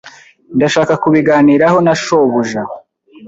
Ndashaka kubiganiraho na shobuja.